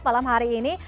malam hari ini